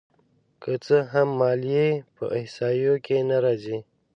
که څه هم ماليې په احصایو کې نه راځي